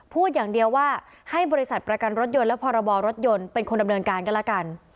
พูดอย่างเดียวว่าให้บริษัทประกันรถยนต์และพรบรถยนต์เป็นคนดำเนินการก็แล้วกัน